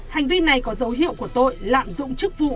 hành vi này có dấu hiệu của tội lạm dụng chức vụ